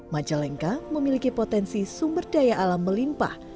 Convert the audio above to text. majalengka memiliki potensi sumber daya alam melimpah